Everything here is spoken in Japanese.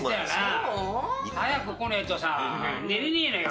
そう？早く来ねえとさ寝れねえのよ。